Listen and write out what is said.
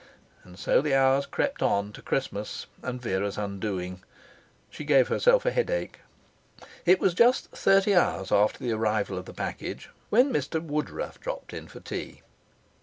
And so the hours crept on to Christmas and Vera's undoing. She gave herself a headache. It was just thirty hours after the arrival of the package when Mr Woodruff dropped in for tea.